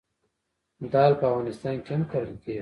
دال په افغانستان کې هم کرل کیږي.